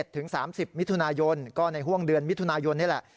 ถึง๓๐มิถุนายนก็ในห่วงเดือนมิถุนายนนี่แหละ